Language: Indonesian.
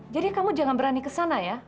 jadi kamu jangan berani ke sana ya